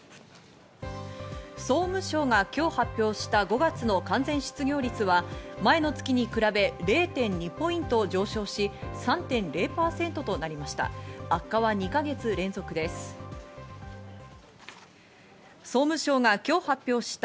総務省が今日発表した５月の完全失業率は前の月に比べ０．２ポイント上昇し、３．０％となりました。